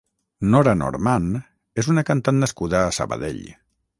Nora Norman és una cantant nascuda a Sabadell.